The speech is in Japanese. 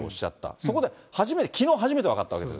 そこで初めて、きのう初めて分かったわけです。